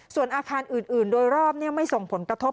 ส่วนอาคารอื่นโดยรอบไม่ส่งผลกระทบ